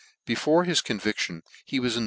Before hhs conviction he was i n .